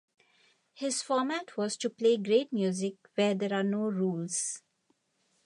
His format was to play great music where there are no rules.